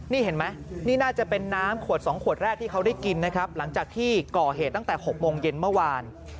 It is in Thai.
นี่เห็นไหมนี่น่าจะเป็นน้ำขวด๒ขวดแรกที่เขาได้กินนะครับหลังจากที่ก่อเหตุตั้งแต่๖โมงเย็นเมื่อวาน